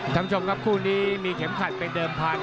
ท่านผู้ชมครับคู่นี้มีเข็มขัดเป็นเดิมพันธ